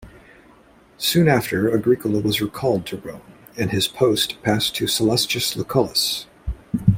Soon after Agricola was recalled to Rome, and his post passed to Sallustius Lucullus.